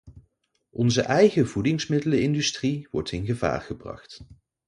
Onze eigen voedingsmiddelenindustrie wordt in gevaar gebracht.